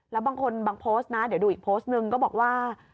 แล้วบางคนบางโพสต์นะเดี๋ยวดูอีกโพสต์นึงก็บอกว่า